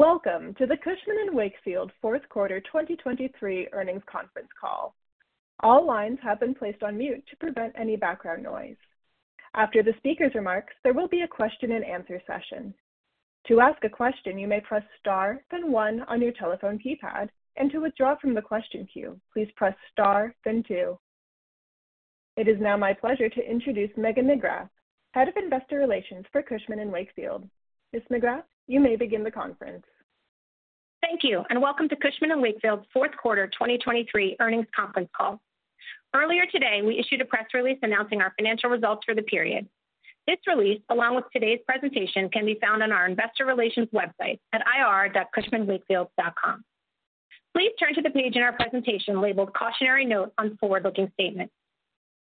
Welcome to the Cushman & Wakefield Fourth Quarter 2023 Earnings Conference Call. All lines have been placed on mute to prevent any background noise. After the speaker's remarks, there will be a question-and-answer session. To ask a question, you may press star then one on your telephone keypad, and to withdraw from the question queue, please press star then two. It is now my pleasure to introduce Megan McGrath, Head of Investor Relations for Cushman & Wakefield. Ms. McGrath, you may begin the conference. Thank you, and welcome to Cushman & Wakefield Fourth Quarter 2023 Earnings Conference Call. Earlier today, we issued a press release announcing our financial results for the period. This release, along with today's presentation, can be found on our Investor Relations website at ir.cushmanwakefield.com. Please turn to the page in our presentation labeled "Cautionary Note on Forward-Looking Statements."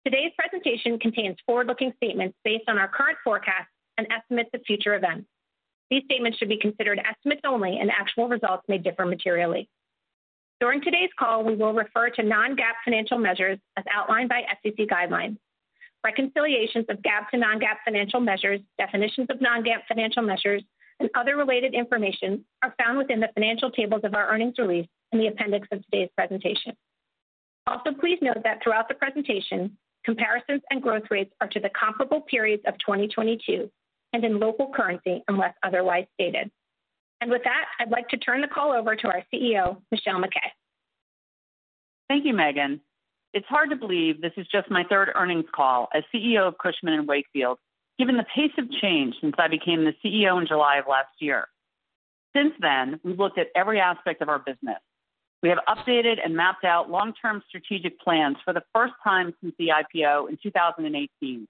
Today's presentation contains forward-looking statements based on our current forecasts and estimates of future events. These statements should be considered estimates only, and actual results may differ materially. During today's call, we will refer to non-GAAP financial measures as outlined by SEC guidelines. Reconciliations of GAAP to non-GAAP financial measures, definitions of non-GAAP financial measures, and other related information are found within the financial tables of our earnings release in the appendix of today's presentation. Also, please note that throughout the presentation, comparisons and growth rates are to the comparable periods of 2022 and in local currency unless otherwise stated. With that, I'd like to turn the call over to our CEO, Michelle MacKay. Thank you, Megan. It's hard to believe this is just my third earnings call as CEO of Cushman & Wakefield, given the pace of change since I became the CEO in July of last year. Since then, we've looked at every aspect of our business. We have updated and mapped out long-term strategic plans for the first time since the IPO in 2018,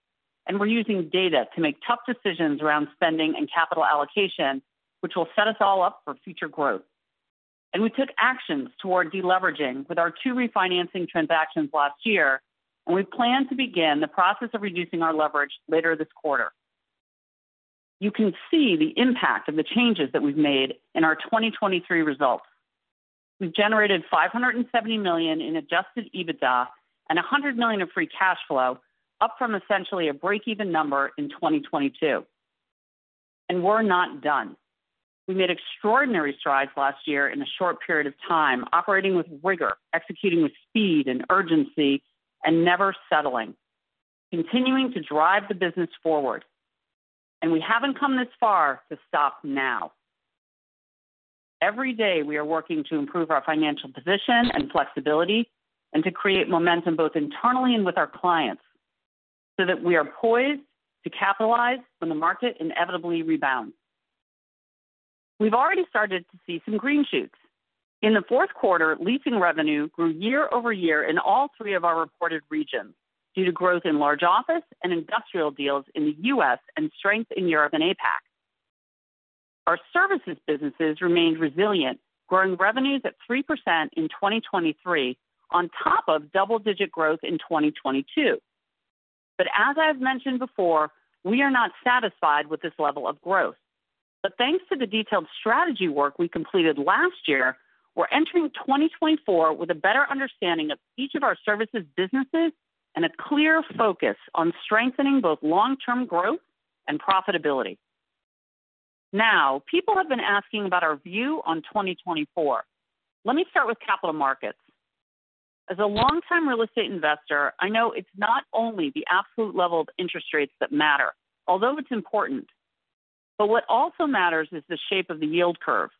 and we're using data to make tough decisions around spending and capital allocation, which will set us all up for future growth. We took actions toward deleveraging with our two refinancing transactions last year, and we plan to begin the process of reducing our leverage later this quarter. You can see the impact of the changes that we've made in our 2023 results. We've generated $570 million in adjusted EBITDA and $100 million of free cash flow, up from essentially a break-even number in 2022. We're not done. We made extraordinary strides last year in a short period of time, operating with rigor, executing with speed and urgency, and never settling, continuing to drive the business forward. We haven't come this far to stop now. Every day, we are working to improve our financial position and flexibility and to create momentum both internally and with our clients so that we are poised to capitalize when the market inevitably rebounds. We've already started to see some green shoots. In the fourth quarter, leasing revenue grew year-over-year in all three of our reported regions due to growth in large office and industrial deals in the U.S. and strength in Europe and APAC. Our services businesses remained resilient, growing revenues at 3% in 2023 on top of double-digit growth in 2022. But as I have mentioned before, we are not satisfied with this level of growth. But thanks to the detailed strategy work we completed last year, we're entering 2024 with a better understanding of each of our services businesses and a clear focus on strengthening both long-term growth and profitability. Now, people have been asking about our view on 2024. Let me start with capital markets. As a long-time real estate investor, I know it's not only the absolute level of interest rates that matter, although it's important, but what also matters is the shape of the yield curve.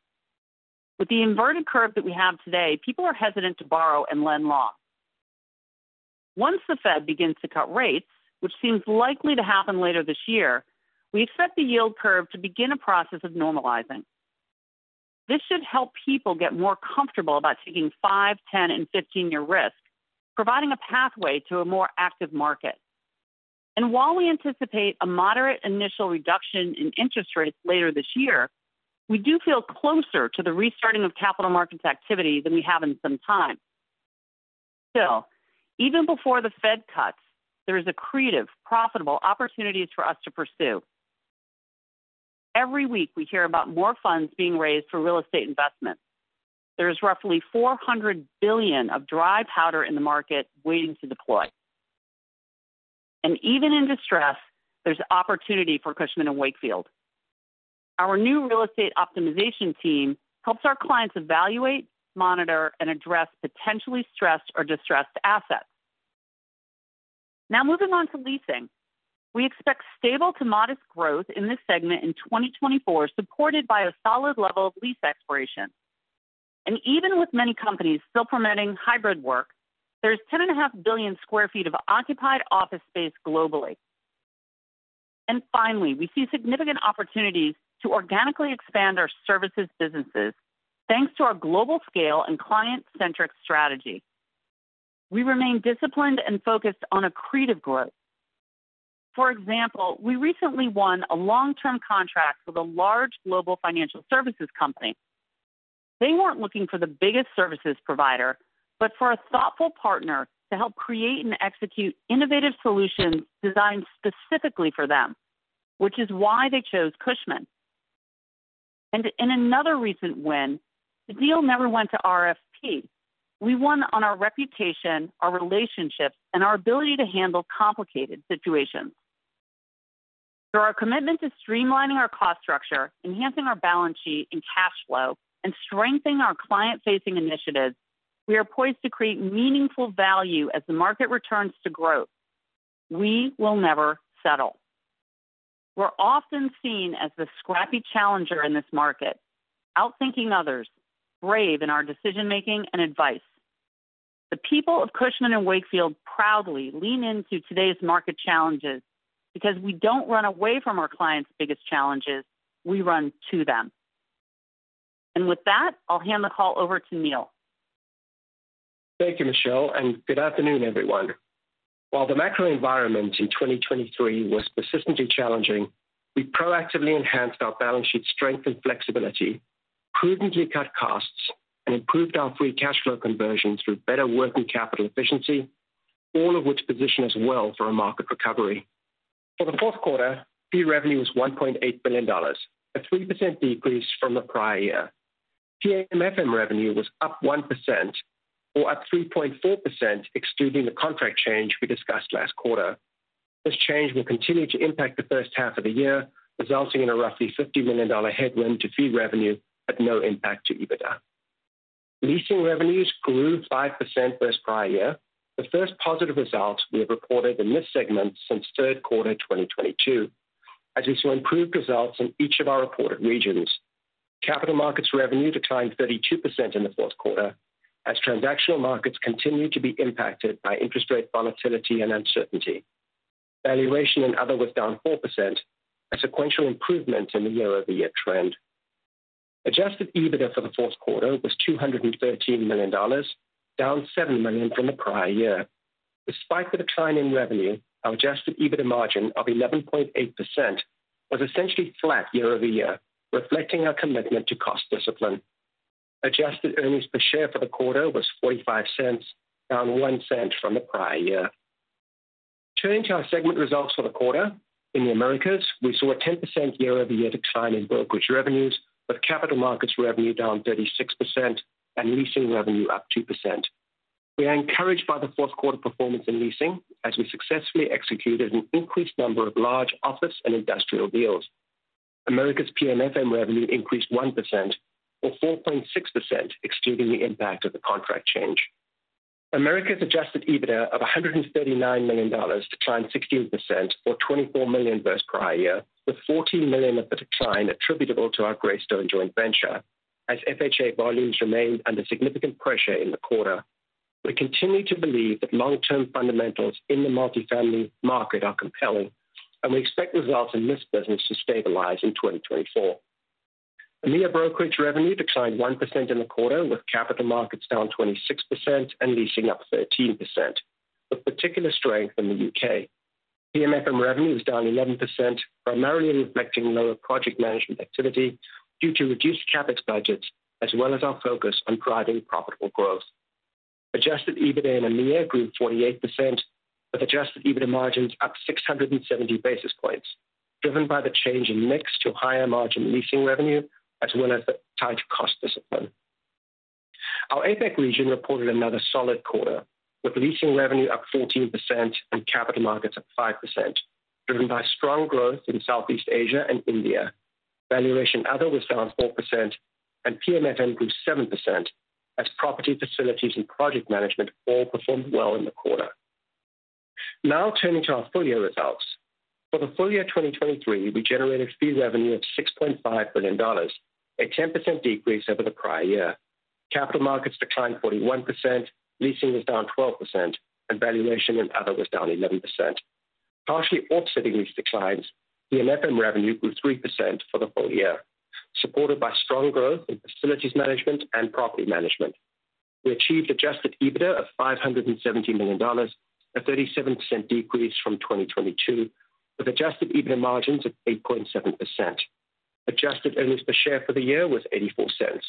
With the inverted curve that we have today, people are hesitant to borrow and lend long. Once the Fed begins to cut rates, which seems likely to happen later this year, we expect the yield curve to begin a process of normalizing. This should help people get more comfortable about taking five, 10, and 15-year risk, providing a pathway to a more active market. While we anticipate a moderate initial reduction in interest rates later this year, we do feel closer to the restarting of capital markets activity than we have in some time. Still, even before the Fed cuts, there are creative, profitable opportunities for us to pursue. Every week, we hear about more funds being raised for real estate investments. There is roughly $400 billion of dry powder in the market waiting to deploy. Even in distress, there's opportunity for Cushman & Wakefield. Our new real estate optimization team helps our clients evaluate, monitor, and address potentially stressed or distressed assets. Now, moving on to leasing, we expect stable to modest growth in this segment in 2024 supported by a solid level of lease expiration. Even with many companies still permitting hybrid work, there's 10.5 billion sq ft of occupied office space globally. Finally, we see significant opportunities to organically expand our services businesses thanks to our global scale and client-centric strategy. We remain disciplined and focused on accretive growth. For example, we recently won a long-term contract with a large global financial services company. They weren't looking for the biggest services provider, but for a thoughtful partner to help create and execute innovative solutions designed specifically for them, which is why they chose Cushman. In another recent win, the deal never went to RFP. We won on our reputation, our relationships, and our ability to handle complicated situations. Through our commitment to streamlining our cost structure, enhancing our balance sheet and cash flow, and strengthening our client-facing initiatives, we are poised to create meaningful value as the market returns to growth. We will never settle. We're often seen as the scrappy challenger in this market, outthinking others, brave in our decision-making and advice. The people of Cushman & Wakefield proudly lean into today's market challenges because we don't run away from our clients' biggest challenges. We run to them. With that, I'll hand the call over to Neil. Thank you, Michelle, and good afternoon, everyone. While the macro environment in 2023 was persistently challenging, we proactively enhanced our balance sheet strength and flexibility, prudently cut costs, and improved our free cash flow conversion through better working capital efficiency, all of which position us well for a market recovery. For the fourth quarter, fee revenue was $1.8 billion, a 3% decrease from the prior year. PM/FM revenue was up 1%, or up 3.4% excluding the contract change we discussed last quarter. This change will continue to impact the first half of the year, resulting in a roughly $50 million headwind to fee revenue but no impact to EBITDA. Leasing revenues grew 5% versus prior year, the first positive result we have reported in this segment since third quarter 2022, as we saw improved results in each of our reported regions. Capital Markets revenue declined 32% in the fourth quarter as transactional markets continued to be impacted by interest rate volatility and uncertainty. Valuation and Other was down 4%, a sequential improvement in the year-over-year trend. Adjusted EBITDA for the fourth quarter was $213 million, down $7 million from the prior year. Despite the decline in revenue, our Adjusted EBITDA margin of 11.8% was essentially flat year over year, reflecting our commitment to cost discipline. Adjusted earnings per share for the quarter was $0.45, down $0.01 from the prior year. Turning to our segment results for the quarter, in the Americas, we saw a 10% year-over-year decline in brokerage revenues with Capital Markets revenue down 36% and Leasing revenue up 2%. We are encouraged by the fourth quarter performance in leasing as we successfully executed an increased number of large office and industrial deals. Americas PM/FM revenue increased 1%, or 4.6% excluding the impact of the contract change. Americas adjusted EBITDA of $139 million declined 16%, or $24 million versus prior year, with $14 million of the decline attributable to our Greystone joint venture as FHA volumes remained under significant pressure in the quarter. We continue to believe that long-term fundamentals in the multifamily market are compelling, and we expect results in this business to stabilize in 2024. EMEA brokerage revenue declined 1% in the quarter with capital markets down 26% and leasing up 13%, with particular strength in the UK. PM/FM revenue was down 11%, primarily reflecting lower project management activity due to reduced CapEx budgets as well as our focus on driving profitable growth. Adjusted EBITDA in EMEA grew 48% with adjusted EBITDA margins up 670 basis points, driven by the change in mix to higher margin leasing revenue as well as tight cost discipline. Our APAC region reported another solid quarter with leasing revenue up 14% and capital markets up 5%, driven by strong growth in Southeast Asia and India. Valuation other was down 4%, and PM/FM grew 7% as property, facilities, and project management all performed well in the quarter. Now, turning to our full year results. For the full year 2023, we generated fee revenue of $6.5 billion, a 10% decrease over the prior year. Capital markets declined 41%, leasing was down 12%, and valuation and other was down 11%. Partially offsetting these declines, PM/FM revenue grew 3% for the full year, supported by strong growth in facilities management and property management. We achieved Adjusted EBITDA of $570 million, a 37% decrease from 2022 with Adjusted EBITDA margins of 8.7%. Adjusted earnings per share for the year was $0.84.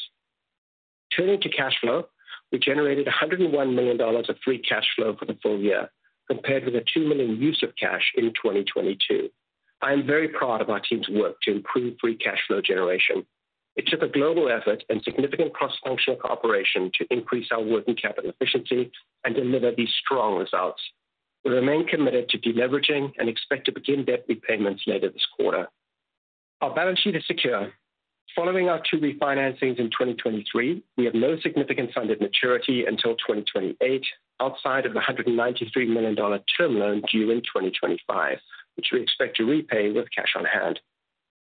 Turning to cash flow, we generated $101 million of free cash flow for the full year compared with the $2 million use of cash in 2022. I am very proud of our team's work to improve free cash flow generation. It took a global effort and significant cross-functional cooperation to increase our working capital efficiency and deliver these strong results. We remain committed to deleveraging and expect to begin debt repayments later this quarter. Our balance sheet is secure. Following our two refinancings in 2023, we have no significant funded maturity until 2028 outside of the $193 million Term Loan due in 2025, which we expect to repay with cash on hand.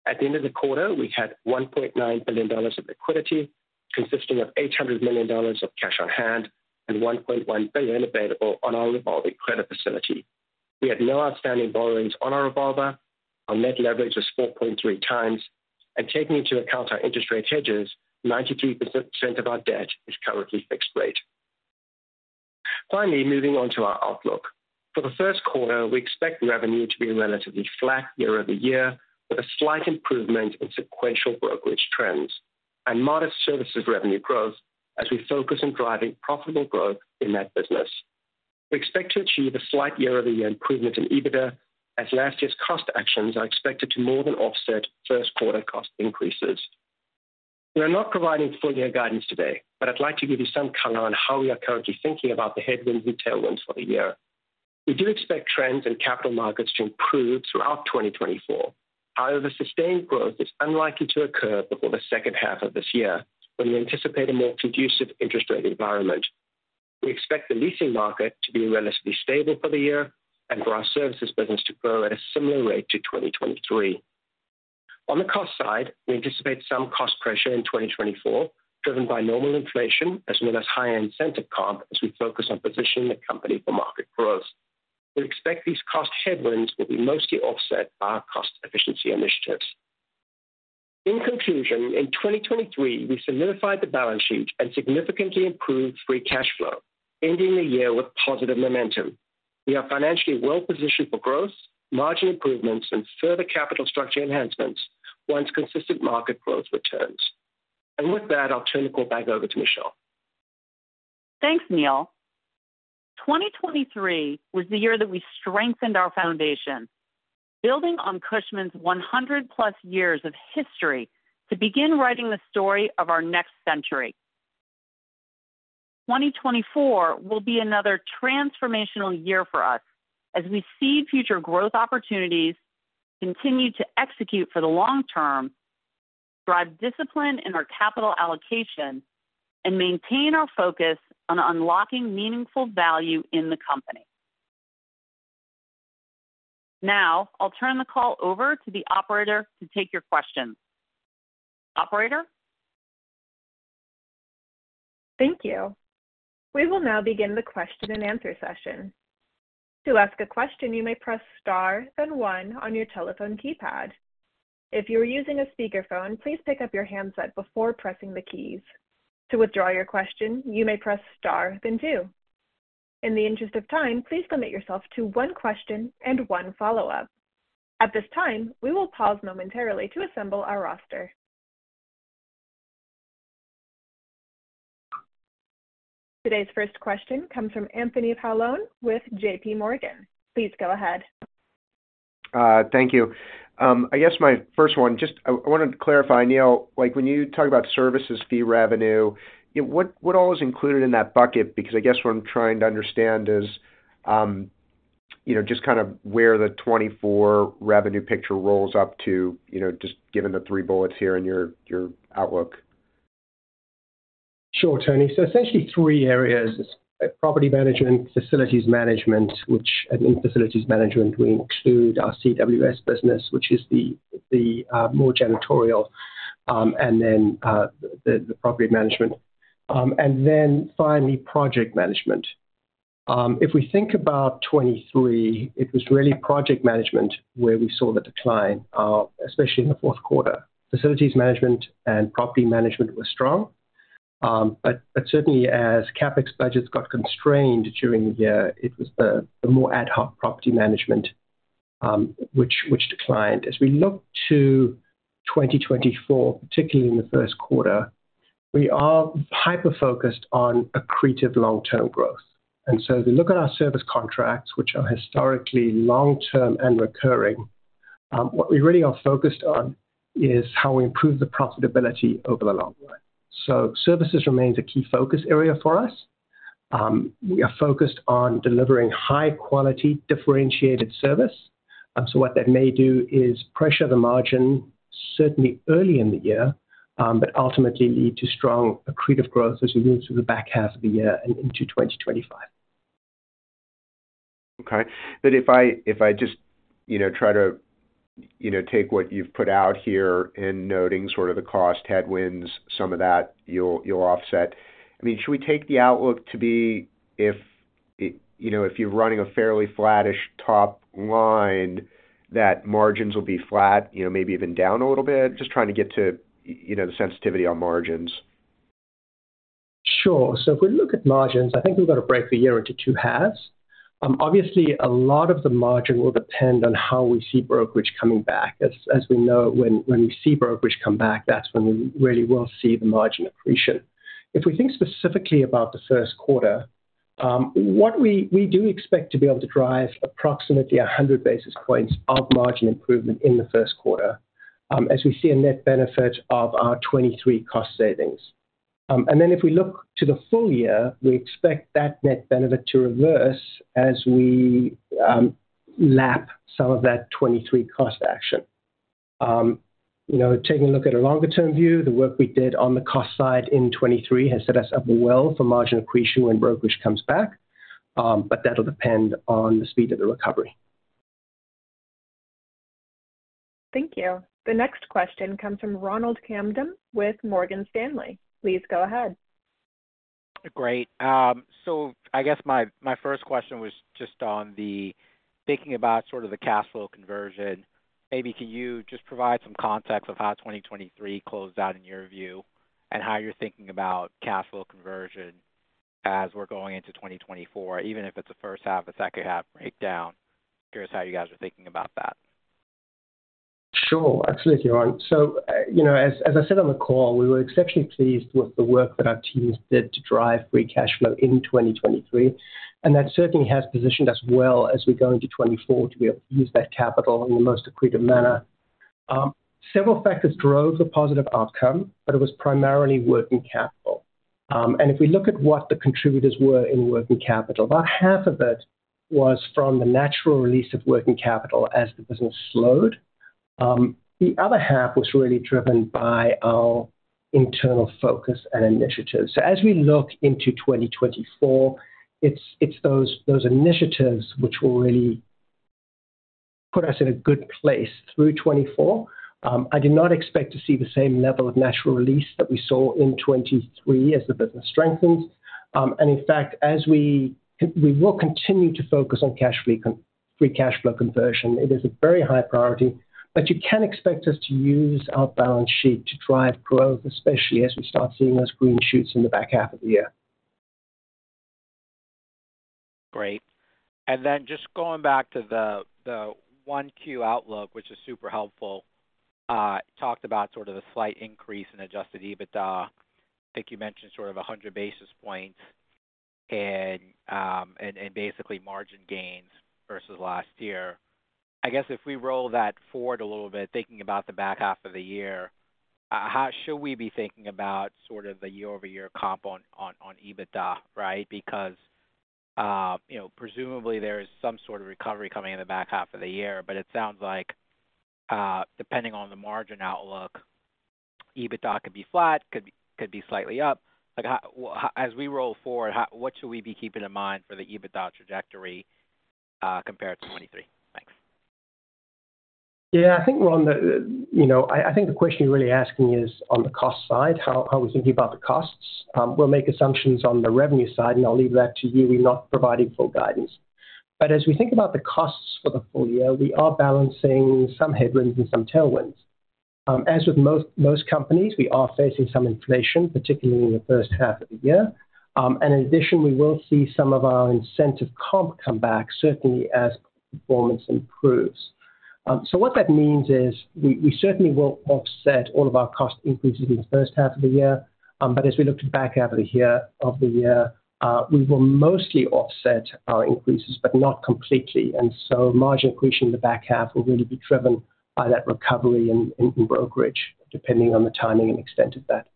At the end of the quarter, we had $1.9 billion of liquidity consisting of $800 million of cash on hand and $1.1 billion available on our revolving credit facility. We had no outstanding borrowings on our revolver. Our net leverage was 4.3x. Taking into account our interest rate hedges, 93% of our debt is currently fixed rate. Finally, moving on to our outlook. For the first quarter, we expect revenue to be relatively flat year-over-year with a slight improvement in sequential brokerage trends and modest services revenue growth as we focus on driving profitable growth in that business. We expect to achieve a slight year-over-year improvement in EBITDA as last year's cost actions are expected to more than offset first quarter cost increases. We are not providing full year guidance today, but I'd like to give you some color on how we are currently thinking about the headwinds and tailwinds for the year. We do expect trends in capital markets to improve throughout 2024. However, sustained growth is unlikely to occur before the second half of this year when we anticipate a more conducive interest rate environment. We expect the leasing market to be relatively stable for the year and for our services business to grow at a similar rate to 2023. On the cost side, we anticipate some cost pressure in 2024 driven by normal inflation as well as higher incentive comp as we focus on positioning the company for market growth. We expect these cost headwinds will be mostly offset by our cost efficiency initiatives. In conclusion, in 2023, we solidified the balance sheet and significantly improved free cash flow, ending the year with positive momentum. We are financially well-positioned for growth, margin improvements, and further capital structure enhancements once consistent market growth returns. With that, I'll turn the call back over to Michelle. Thanks, Neil. 2023 was the year that we strengthened our foundation, building on Cushman's 100+ years of history to begin writing the story of our next century. 2024 will be another transformational year for us as we see future growth opportunities continue to execute for the long term, drive discipline in our capital allocation, and maintain our focus on unlocking meaningful value in the company. Now, I'll turn the call over to the operator to take your questions. Operator? Thank you. We will now begin the question-and-answer session. To ask a question, you may press star, then one, on your telephone keypad. If you are using a speakerphone, please pick up your handset before pressing the keys. To withdraw your question, you may press star, then two. In the interest of time, please limit yourself to one question and one follow-up. At this time, we will pause momentarily to assemble our roster. Today's first question comes from Anthony Paolone with JPMorgan. Please go ahead. Thank you. I guess my first one, just I want to clarify, Neil, when you talk about services fee revenue, what all is included in that bucket? Because I guess what I'm trying to understand is just kind of where the 2024 revenue picture rolls up to, just given the three bullets here in your outlook. Sure, Tony. So essentially, three areas: property management, facilities management, which in facilities management, we include our CWS business, which is the more janitorial, and then the property management. And then finally, project management. If we think about 2023, it was really project management where we saw the decline, especially in the fourth quarter. Facilities management and property management were strong. But certainly, as CapEx budgets got constrained during the year, it was the more ad hoc property management which declined. As we look to 2024, particularly in the first quarter, we are hyper-focused on accretive long-term growth. And so if you look at our service contracts, which are historically long-term and recurring, what we really are focused on is how we improve the profitability over the long run. So services remains a key focus area for us. We are focused on delivering high-quality, differentiated service. What that may do is pressure the margin, certainly early in the year, but ultimately lead to strong accretive growth as we move through the back half of the year and into 2025. Okay. But if I just try to take what you've put out here in noting sort of the cost headwinds, some of that you'll offset, I mean, should we take the outlook to be if you're running a fairly flattish top line, that margins will be flat, maybe even down a little bit? Just trying to get to the sensitivity on margins. Sure. So if we look at margins, I think we've got to break the year into two halves. Obviously, a lot of the margin will depend on how we see brokerage coming back. As we know, when we see brokerage come back, that's when we really will see the margin accretion. If we think specifically about the first quarter, what we do expect to be able to drive approximately 100 basis points of margin improvement in the first quarter as we see a net benefit of our 2023 cost savings. And then if we look to the full year, we expect that net benefit to reverse as we lap some of that 2023 cost action. Taking a look at a longer-term view, the work we did on the cost side in 2023 has set us up well for margin accretion when brokerage comes back. But that'll depend on the speed of the recovery. Thank you. The next question comes from Ronald Kamdem with Morgan Stanley. Please go ahead. Great. So I guess my first question was just on the thinking about sort of the cash flow conversion. Maybe can you just provide some context of how 2023 closed out in your view and how you're thinking about cash flow conversion as we're going into 2024, even if it's a first half, a second half breakdown? Curious how you guys are thinking about that. Sure. Absolutely. So as I said on the call, we were exceptionally pleased with the work that our teams did to drive free cash flow in 2023. And that certainly has positioned us well as we go into 2024 to be able to use that capital in the most accretive manner. Several factors drove the positive outcome, but it was primarily working capital. And if we look at what the contributors were in working capital, about half of it was from the natural release of working capital as the business slowed. The other half was really driven by our internal focus and initiatives. So as we look into 2024, it's those initiatives which will really put us in a good place through 2024. I did not expect to see the same level of natural release that we saw in 2023 as the business strengthens. In fact, as we will continue to focus on Free Cash Flow conversion, it is a very high priority. You can expect us to use our balance sheet to drive growth, especially as we start seeing those green shoots in the back half of the year. Great. And then just going back to the Q1 outlook, which is super helpful, talked about sort of the slight increase in Adjusted EBITDA. I think you mentioned sort of 100 basis points and basically margin gains versus last year. I guess if we roll that forward a little bit, thinking about the back half of the year, how should we be thinking about sort of the year-over-year comp on EBITDA, right? Because presumably, there is some sort of recovery coming in the back half of the year. But it sounds like, depending on the margin outlook, EBITDA could be flat, could be slightly up. As we roll forward, what should we be keeping in mind for the EBITDA trajectory compared to 2023? Thanks. Yeah. I think, Ron, the question you're really asking is on the cost side, how we're thinking about the costs. We'll make assumptions on the revenue side, and I'll leave that to you. We're not providing full guidance. But as we think about the costs for the full year, we are balancing some headwinds and some tailwinds. As with most companies, we are facing some inflation, particularly in the first half of the year. And in addition, we will see some of our incentive comp come back, certainly as performance improves. So what that means is we certainly will offset all of our cost increases in the first half of the year. But as we look to the back half of the year, we will mostly offset our increases but not completely. And so margin accretion in the back half will really be driven by that recovery in brokerage, depending on the timing and extent of that.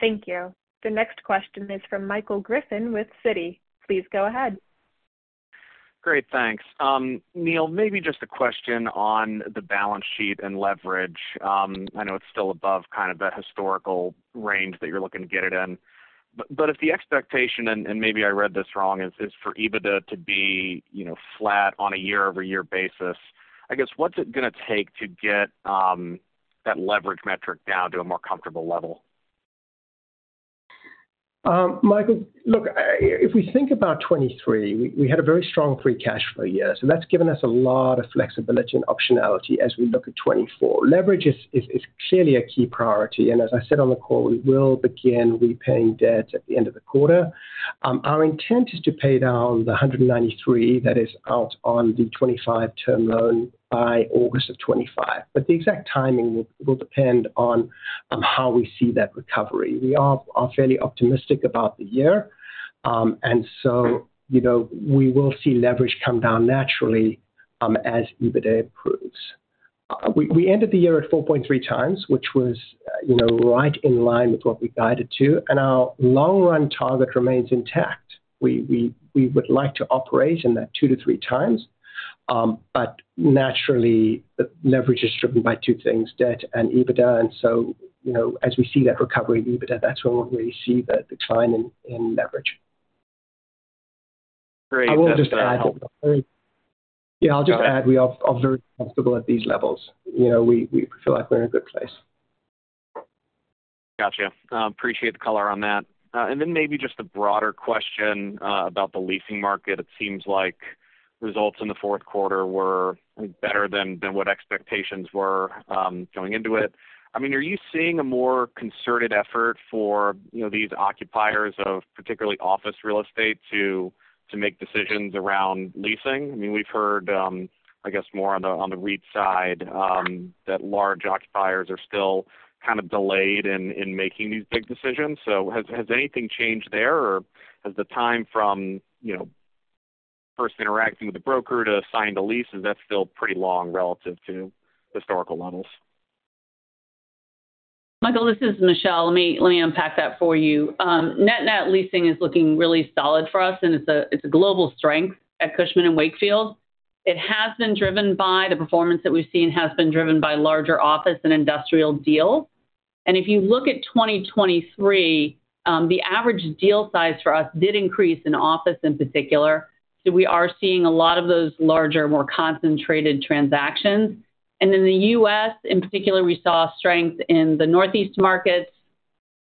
Thank you. The next question is from Michael Griffin with Citi. Please go ahead. Great. Thanks. Neil, maybe just a question on the balance sheet and leverage. I know it's still above kind of the historical range that you're looking to get it in. But if the expectation - and maybe I read this wrong - is for EBITDA to be flat on a year-over-year basis, I guess what's it going to take to get that leverage metric down to a more comfortable level? Michael, look, if we think about 2023, we had a very strong free cash flow year. So that's given us a lot of flexibility and optionality as we look at 2024. Leverage is clearly a key priority. And as I said on the call, we will begin repaying debt at the end of the quarter. Our intent is to pay down the $193 million that is out on the 2025 term loan by August of 2025. But the exact timing will depend on how we see that recovery. We are fairly optimistic about the year. And so we will see leverage come down naturally as EBITDA improves. We ended the year at 4.3x, which was right in line with what we guided to. And our long-run target remains intact. We would like to operate in that 2-3x. But naturally, leverage is driven by two things: debt and EBITDA. And so as we see that recovery in EBITDA, that's when we'll really see the decline in leverage. Great. Thanks. I will just add that. Yeah, I'll just add, we are very comfortable at these levels. We feel like we're in a good place. Gotcha. Appreciate the color on that. And then maybe just a broader question about the leasing market. It seems like results in the fourth quarter were better than what expectations were going into it. I mean, are you seeing a more concerted effort for these occupiers of particularly office real estate to make decisions around leasing? I mean, we've heard, I guess, more on the REIT side that large occupiers are still kind of delayed in making these big decisions. So has anything changed there? Or has the time from first interacting with the broker to signing the lease, is that still pretty long relative to historical levels? Michael, this is Michelle. Let me unpack that for you. Net-net leasing is looking really solid for us, and it's a global strength at Cushman & Wakefield. It has been driven by the performance that we've seen has been driven by larger office and industrial deals. And if you look at 2023, the average deal size for us did increase in office in particular. So we are seeing a lot of those larger, more concentrated transactions. And in the U.S., in particular, we saw strength in the Northeast markets,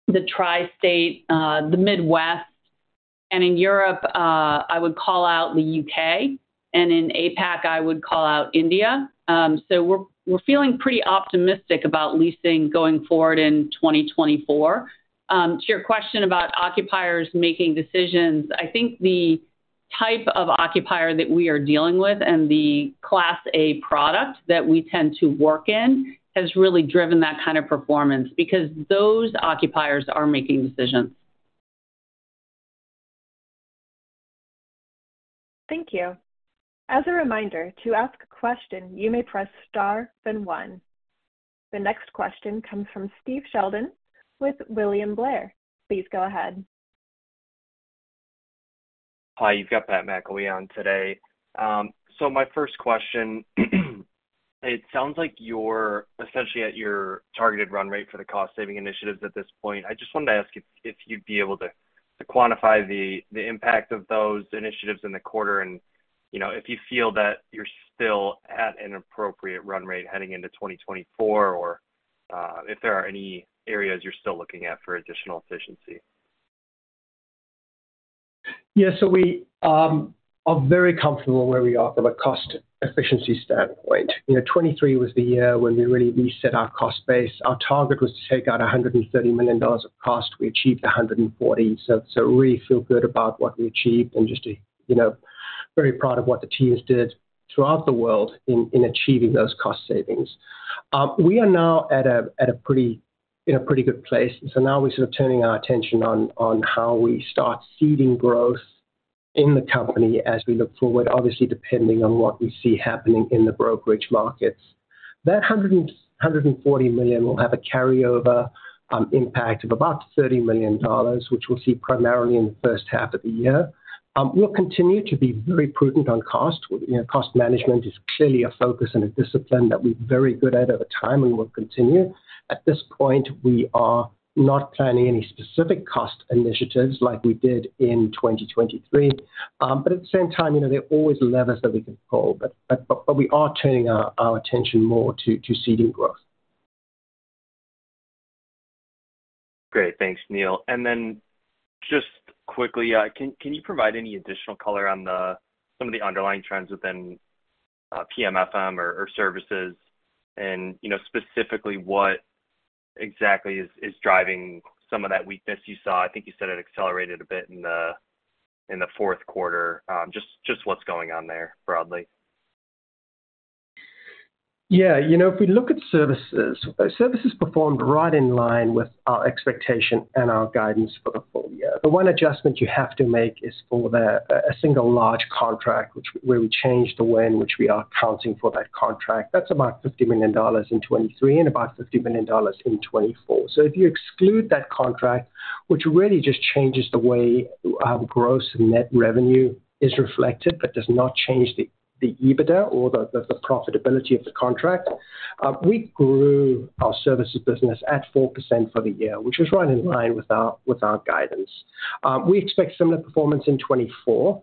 the Tri-State, the Midwest. And in Europe, I would call out the U.K. And in APAC, I would call out India. So we're feeling pretty optimistic about leasing going forward in 2024. To your question about occupiers making decisions, I think the type of occupier that we are dealing with and the Class A product that we tend to work in has really driven that kind of performance because those occupiers are making decisions. Thank you. As a reminder, to ask a question, you may press star, then one. The next question comes from Steve Sheldon with William Blair. Please go ahead. Hi. You've got that, Michael. We're on today. So my first question, it sounds like you're essentially at your targeted run rate for the cost-saving initiatives at this point. I just wanted to ask if you'd be able to quantify the impact of those initiatives in the quarter and if you feel that you're still at an appropriate run rate heading into 2024 or if there are any areas you're still looking at for additional efficiency. Yeah. So we are very comfortable where we are from a cost efficiency standpoint. 2023 was the year when we really reset our cost base. Our target was to take out $130 million of cost. We achieved $140. So we really feel good about what we achieved and just very proud of what the teams did throughout the world in achieving those cost savings. We are now at a pretty good place. So now we're sort of turning our attention on how we start seeding growth in the company as we look forward, obviously depending on what we see happening in the brokerage markets. That $140 million will have a carryover impact of about $30 million, which we'll see primarily in the first half of the year. We'll continue to be very prudent on cost. Cost management is clearly a focus and a discipline that we're very good at over time, and we'll continue. At this point, we are not planning any specific cost initiatives like we did in 2023. At the same time, there are always levers that we can pull. We are turning our attention more to seeding growth. Great. Thanks, Neil. And then just quickly, can you provide any additional color on some of the underlying trends within PM/FM or services and specifically what exactly is driving some of that weakness you saw? I think you said it accelerated a bit in the fourth quarter. Just what's going on there broadly? Yeah. If we look at services, services performed right in line with our expectation and our guidance for the full year. The one adjustment you have to make is for a single large contract where we changed the way in which we are accounting for that contract. That's about $50 million in 2023 and about $50 million in 2024. So if you exclude that contract, which really just changes the way how gross net revenue is reflected but does not change the EBITDA or the profitability of the contract, we grew our services business at 4% for the year, which was right in line with our guidance. We expect similar performance in 2024.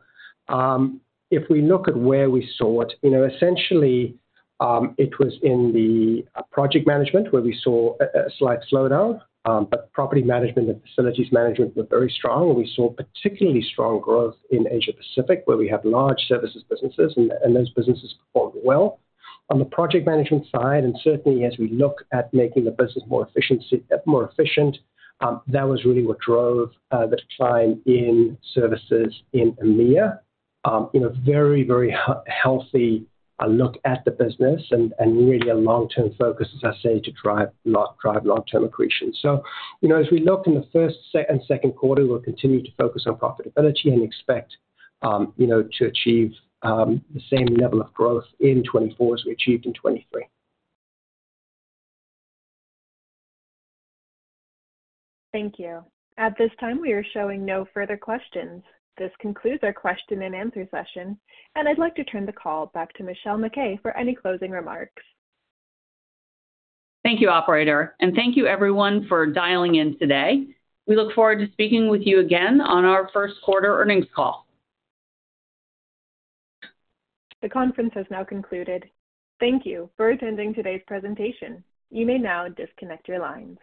If we look at where we saw it, essentially, it was in the project management where we saw a slight slowdown. But property management and facilities management were very strong. We saw particularly strong growth in Asia-Pacific where we have large services businesses, and those businesses performed well. On the project management side, and certainly as we look at making the business more efficient, that was really what drove the decline in services in EMEA. Very, very healthy look at the business and really a long-term focus, as I say, to drive long-term accretion. So as we look in the first and second quarter, we'll continue to focus on profitability and expect to achieve the same level of growth in 2024 as we achieved in 2023. Thank you. At this time, we are showing no further questions. This concludes our question-and-answer session. I'd like to turn the call back to Michelle MacKay for any closing remarks. Thank you, operator. Thank you, everyone, for dialing in today. We look forward to speaking with you again on our first quarter earnings call. The conference has now concluded. Thank you for attending today's presentation. You may now disconnect your lines.